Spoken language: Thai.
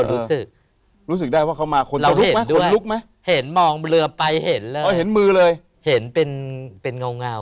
ลูกหน้าเลยเป็นเหลือเป็นหน้า